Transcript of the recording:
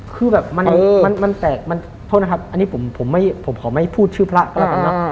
คือแบบมันแตกมันโทษนะครับอันนี้ผมขอไม่พูดชื่อพระก็แล้วกันเนอะ